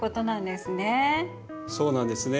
そうなんですね。